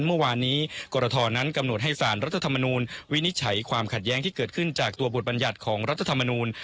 เมื่อวานนี้กรทนั้นกำหนดให้สารรัฐธรรมนูลวินิจฉัยความขัดแย้งที่เกิดขึ้นจากตัวบทบัญญัติของรัฐธรรมนูล